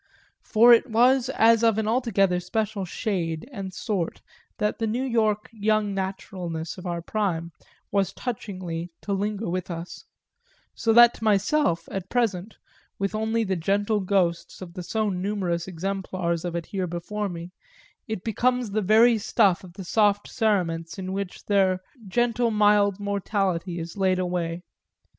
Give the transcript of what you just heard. For it was as of an altogether special shade and sort that the New York young naturalness of our prime was touchingly to linger with us so that to myself, at present, with only the gentle ghosts of the so numerous exemplars of it before me, it becomes the very stuff of the soft cerements in which their general mild mortality is laid away.